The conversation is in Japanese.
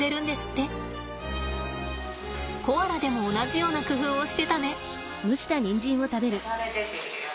コアラでも同じような工夫をしてたね。